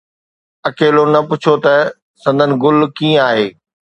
اڪيلو، نه پڇو ته سندن گل ڪيئن آهي